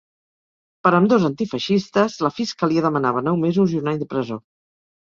Per ambdós antifeixistes, la fiscalia demanava nou mesos i un any de presó.